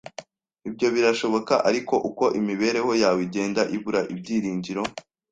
» Ibyo birashoboka; ariko uko imibereho yawe igenda ibura ibyiringiro